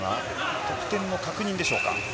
得点の確認でしょうか。